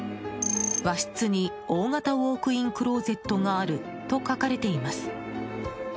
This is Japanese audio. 「和室に大型ウォークインクローゼットがある」と書かれています。